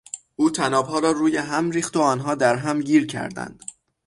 او طنابها را روی هم ریخت و آنها درهم گیر کردند.